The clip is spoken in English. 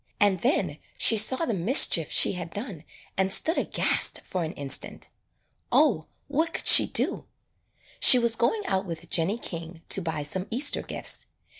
And then she saw the mischief she had done and stood aghast for an instant. O, what could she do! She was going out with Jennie King to buy some Easter gifts.